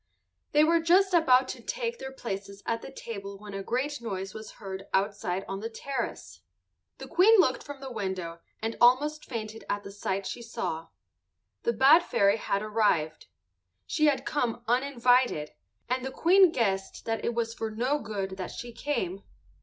They were just about to take their places at the table when a great noise was heard outside on the terrace. The Queen looked from the window and almost fainted at the sight she saw. The bad fairy had arrived. She had come uninvited, and the Queen guessed that it was for no good that she came.